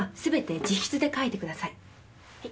はい。